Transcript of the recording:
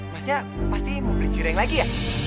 masnya pasti mau beli zireng lagi ya